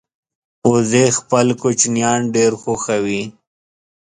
وزې خپل کوچنیان ډېر خوښوي